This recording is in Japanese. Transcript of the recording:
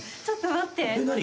ちょっと待って。